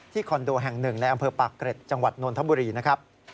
ที่คอนโดแห่ง๑ในอำเภอปากเกร็ดจังหวัดนวลธบุรีนะครับ